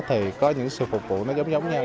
thì có những sự phục vụ nó giống giống nhau